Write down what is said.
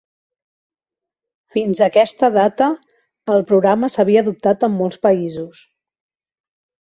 Fins a aquesta data, el programa s'havia adoptat en molts països.